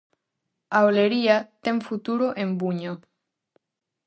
A olería ten futuro en Buño.